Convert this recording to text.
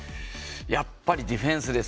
やっぱりディフェンスです。